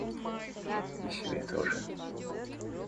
И себе тоже.